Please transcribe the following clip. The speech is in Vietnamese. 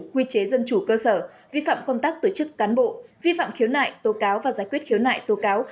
quy chế dân chủ cơ sở vi phạm công tác tổ chức cán bộ vi phạm khiếu nại tố cáo và giải quyết khiếu nại tố cáo